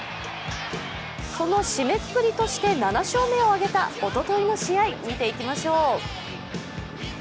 その締めくくりとして７勝目を挙げたおとといの試合見ていきましょう。